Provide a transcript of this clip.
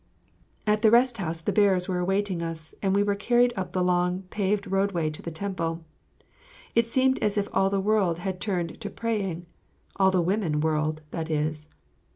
At the rest house the bearers were awaiting us, and we were carried up the long paved roadway to the temple. It seemed as if all the world had turned to praying all the women world, that is.